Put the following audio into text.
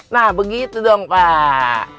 nah begitu dong pak